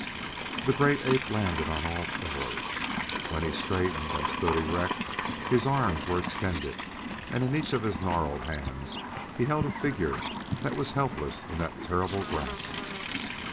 The great ape landed on all fours. When he straightened and stood erect his arms were extended, and in each of his gnarled hands he held a figure that was helpless in that terrible grasp.